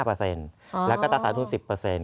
แล้วก็ตราสารทุน๑๐